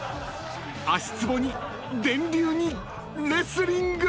［足つぼに電流にレスリング！］